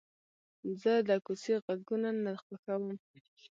زه د کوڅې غږونه نه خوښوم.